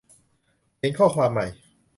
เขียนข้อความใหม่